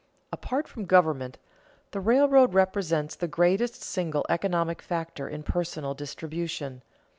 Apart from government, the railroad represents the greatest single economic factor in personal distribution.